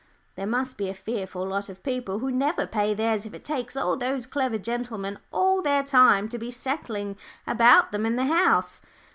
There must be a fearful lot of people who never pay theirs if it takes all those clever gentlemen all their time to be settling about them in the 'House.'"